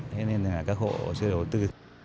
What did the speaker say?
thế nên là các hộ chưa đổi tư